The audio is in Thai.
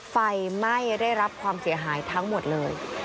ไฟไหม้ได้รับความเสียหายทั้งหมดเลย